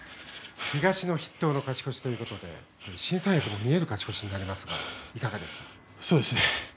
東の筆頭で勝ち越しということで見える勝ち越しになりましたがそうですね